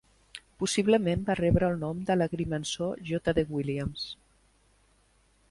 Possiblement va rebre el nom de l'agrimensor J.D. Williams.